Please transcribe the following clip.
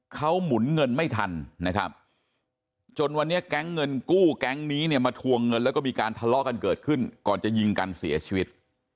เขาหมุนเงินไม่ทันนะครับจนวันนี้แก๊งเงินกู้แก๊งนี้เนี่ยมาทวงเงินแล้วก็มีการทะเลาะกันเกิดขึ้นก่อนจะยิงกันเสียชีวิต